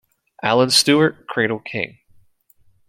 Alan Stewart "Cradle King"